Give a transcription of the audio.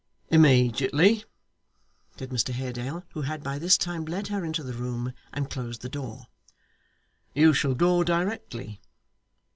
'Immediately,' said Mr Haredale, who had by this time led her into the room and closed the door. 'You shall go directly.